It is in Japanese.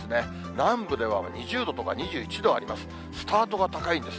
南部では２０度とか２１度あります。